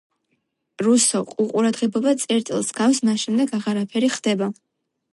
რუსო: უყურადღებობა წერტილს ჰგავს, მას შემდეგ აღარაფერი ხდება.